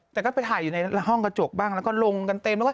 แต่ก็ไปถ่ายอยู่ในห้องกระจกบ้างแล้วก็ลงกันเต็มแล้วก็